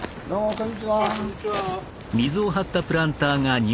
こんにちは。